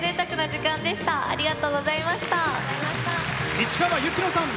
市川由紀乃さん！